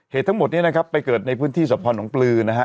ทั้งหมดนี้นะครับไปเกิดในพื้นที่สะพอน้องปลือนะฮะ